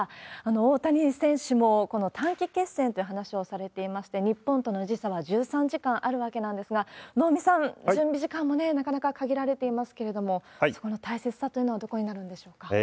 大谷選手も短期決戦という話をされていまして、日本との時差は１３時間あるわけなんですが、能見さん、準備時間もなかなか限られていますけれども、そこの大切さというのはどこになるんでしょうか？